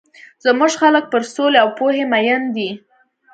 زموږ خلک پر سولي او پوهي مۀين دي.